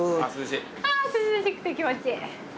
あ涼しくて気持ちいい。